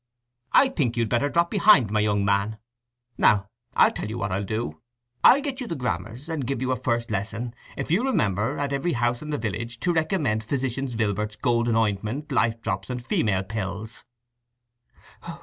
"I think you'd better drop behind, my young man. Now I'll tell you what I'll do. I'll get you the grammars, and give you a first lesson, if you'll remember, at every house in the village, to recommend Physician Vilbert's golden ointment, life drops, and female pills."